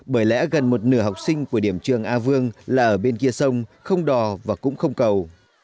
bởi lẽ gần một nửa học sinh của điểm trường a vương là ở bên kia sông không đò và cũng không cầu